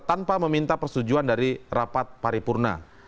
tanpa meminta persetujuan dari rapat paripurna